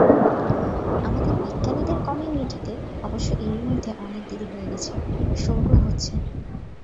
আমাদের বিজ্ঞানীদের কমিউনিটিতে অবশ্য এরই মধ্যে অনেক দেরি হয়ে গেছে শোরগোল হচ্ছে।